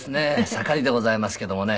盛りでございますけどもね。